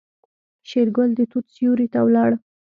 شېرګل د توت سيوري ته ولاړ.